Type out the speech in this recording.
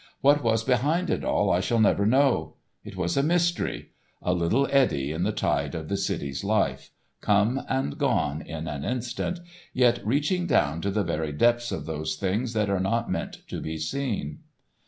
What was behind it all I shall never know. It was a mystery—a little eddy in the tide of the city's life, come and gone in an instant, yet reaching down to the very depths of those things that are not meant to be seen.